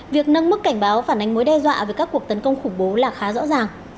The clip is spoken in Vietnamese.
việc nâng mức cảnh báo phản ánh mối đe dọa về các cuộc tấn công khủng bố là khá rõ ràng